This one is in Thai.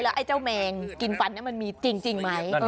ไอ้เจ้าแมงกินฟันมันมีจริงไหม